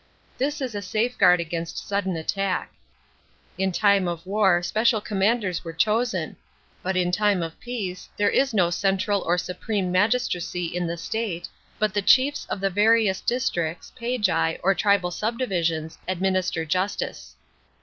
This is c, safeguard against suddon attack. In timo of war special commanders arc chosen ; but in time of peace, there is no central or supreme magistracy in tho state, but the chiefs of the various districts (pcw/a) or tribal subdivisions, administer justice.